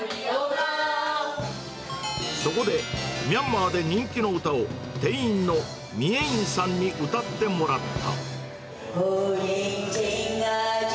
そこで、ミャンマーで人気の歌を、店員のミエインさんに歌ってもらった。